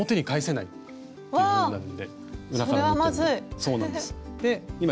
そうなんです。